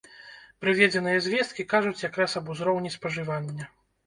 Прыведзеныя звесткі кажуць як раз аб узроўні спажывання.